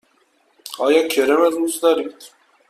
آیا کرم روز دارید؟